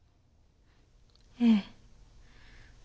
ええ。